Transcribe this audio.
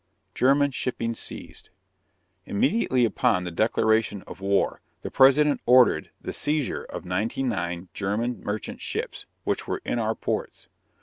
GERMAN SHIPPING SEIZED. Immediately upon the declaration of war, the President ordered the seizure of ninety nine German merchant ships which were in our ports.